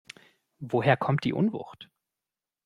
Woher kommt die Unwucht?